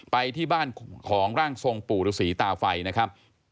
ไปที่บ้านของร่างทรงปู่ฤษีตาไฟนะครับ